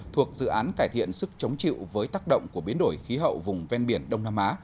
thuộc dự án cải thiện sức chống chịu với tác động của biến đổi khí hậu vùng ven biển đông nam á